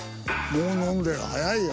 もう飲んでる早いよ。